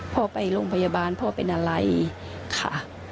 พ่อไปโรงพยาบาลพ่อเป็นอะไรค่ะ